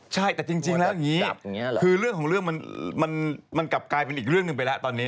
ใช่แต่จริงแล้วอย่างนี้คือเรื่องของเรื่องมันกลับกลายเป็นอีกเรื่องหนึ่งไปแล้วตอนนี้